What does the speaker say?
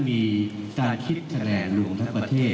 มีการคิดแชนหลวงทั้งประเภท